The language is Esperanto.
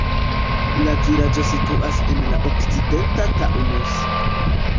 La vilaĝo situas en la okcidenta Taunus.